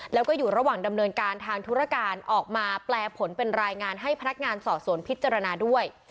แล้วก็อยู่ระหว่างดำเนินการทางธุรการออกมาแปลผลเป็นรายงานให้พนักงานสอบสวนพิจารณาด้วย